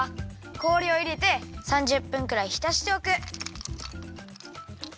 氷をいれて３０分くらいひたしておく。